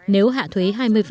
nếu hạ thuế hai mươi